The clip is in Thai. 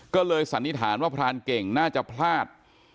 ก็เลยสันนิษฐานว่าพรานเก่งน่าจะพลาด